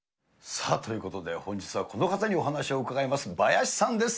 さあ、ということで、本日はこの方にお話を伺います、バヤシさんです。